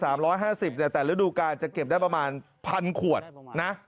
ร้อยห้าสิบเนี่ยแต่ฤดูกาลจะเก็บได้ประมาณพันขวดนะ